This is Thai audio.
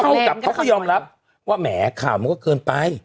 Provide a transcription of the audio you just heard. เท่ากับเขาก็ยอมรับว่าแหมข่าวมันก็เกินไป